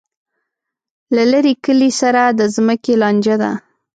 له لر کلي سره د ځمکې لانجه ده.